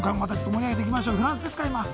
今はフランスですか。